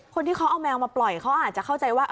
คนที่เขาเอาแมวมาปล่อยเขาอาจจะเข้าใจว่า